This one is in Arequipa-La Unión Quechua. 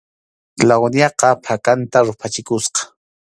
Claudiaqa phakanta ruphachikusqa.